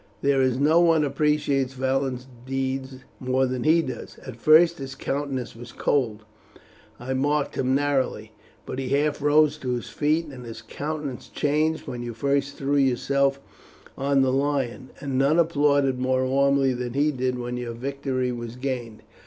There is no one appreciates valiant deeds more than he does. At first his countenance was cold I marked him narrowly but he half rose to his feet and his countenance changed when you first threw yourself on the lion, and none applauded more warmly than he did when your victory was gained.